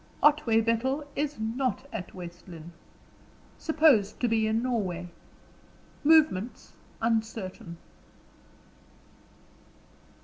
"Otway Bethel is not at West Lynne. Supposed to be in Norway. Movements uncertain."